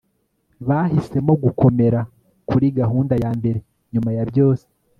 bahisemo gukomera kuri gahunda yambere nyuma ya byose